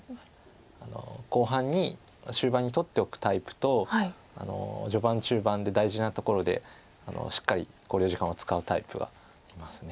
後半に終盤に取っておくタイプと序盤中盤で大事なところでしっかり考慮時間を使うタイプがあります。